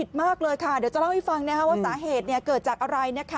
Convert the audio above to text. เดี๋ยวเราจะเล่าให้ฟังนะครับว่าสาเหตุเนี่ยเกิดจากอะไรนะครับ